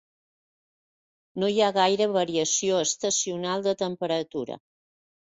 No hi ha gaire variació estacional de temperatura.